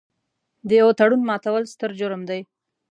د یوه تړون ماتول ستر جرم دی.